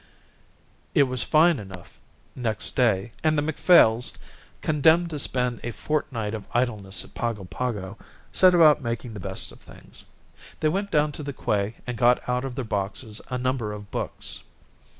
It was fine enough next day, and the Macphails, condemned to spend a fortnight of idleness at Pago Pago, set about making the best of things. They went down to the quay and got out of their boxes a number of books.